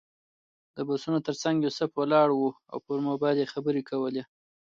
د بسونو تر څنګ یوسف ولاړ و او پر موبایل یې خبرې کولې.